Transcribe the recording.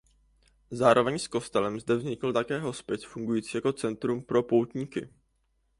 Zároveň s kostelem zde vznikl také hospic fungující jako centrum pro poutníky.